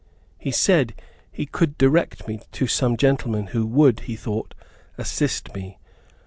He said he could direct me to some gentlemen who would, he thought, assist me.